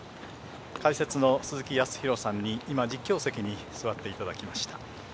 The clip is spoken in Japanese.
解説の鈴木康弘さんに実況席に座っていただきました。